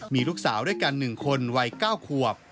มีลูกสาวด้วยกัน๑คนวัย๙ขวบ